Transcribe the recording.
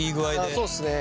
ああそうっすね。